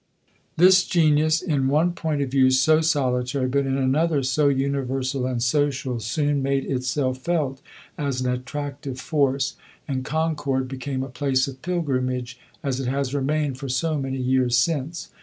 This genius, in one point of view so solitary, but in another so universal and social, soon made itself felt as an attractive force, and Concord became a place of pilgrimage, as it has remained for so many years since.